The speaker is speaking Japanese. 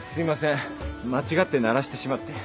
間違って鳴らしてしまって。